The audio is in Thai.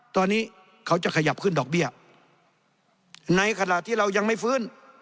ตอนนี้เขาจะขยับขึ้นดอกเบี้ยในขณะที่เรายังไม่ฟื้น